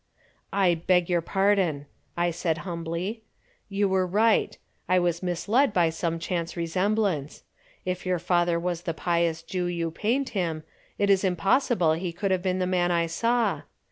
"I beg your pardon," I said humbly. "You were right. I was misled by some chance resemblance. If your father was the pious Jew you paint him, it is impossible he could have been the man I saw.